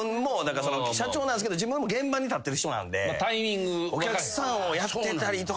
社長なんですけど自分も現場に立ってる人なんでお客さんをやってたりとかをしたら。